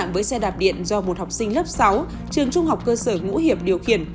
với xe đạp điện do một học sinh lớp sáu trường trung học cơ sở ngũ hiệp điều khiển